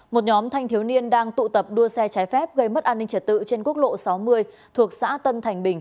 một nhóm thanh thiếu niên đang tụ tập đua xe trái phép gây mất an ninh trật tự trên quốc lộ sáu mươi thuộc xã tân thành bình